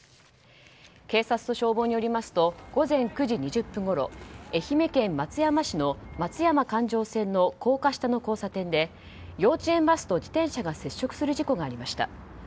警察と消防によりますと午前９時２０分ごろ愛媛県松山市の松山環状線の高架下の交差点で幼稚園バスと自転車が接触する事故がありました。